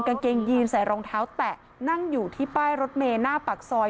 กางเกงยีนใส่รองเท้าแตะนั่งอยู่ที่ป้ายรถเมย์หน้าปากซอย